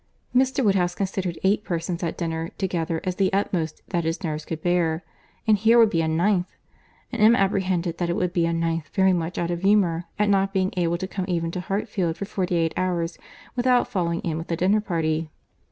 Mr. Woodhouse considered eight persons at dinner together as the utmost that his nerves could bear—and here would be a ninth—and Emma apprehended that it would be a ninth very much out of humour at not being able to come even to Hartfield for forty eight hours without falling in with a dinner party.